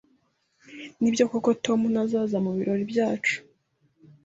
Nibyo koko Tom ntazaza mubirori byacu?